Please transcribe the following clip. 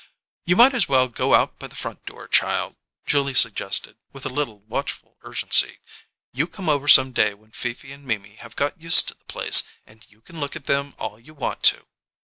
"You might as well go out by the front door, child," Julia suggested, with a little watchful urgency. "You come over some day when Fifi and Mimi have got used to the place, and you can look at them all you want to."